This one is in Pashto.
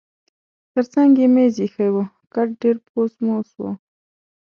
ترڅنګ یې مېز اییښی و، کټ ډېر پوس موس و.